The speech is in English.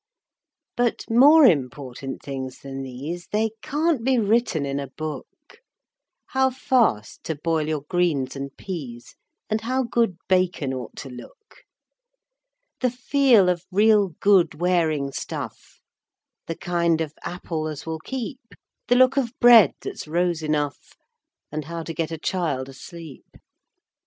But more important things than these, They can't be written in a book: How fast to boil your greens and peas, And how good bacon ought to look; The feel of real good wearing stuff, The kind of apple as will keep, The look of bread that's rose enough, And how to get a child asleep.